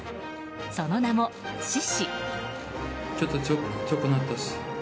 その名も、獅司。